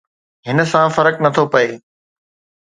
هن سان فرق نٿو پئي